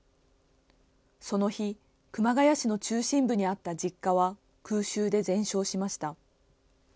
その日、熊谷市の中心部にあった実家は空襲で全焼しました。